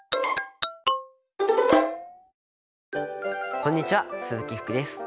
こんにちは鈴木福です。